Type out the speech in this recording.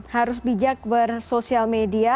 harus bijak bersosial media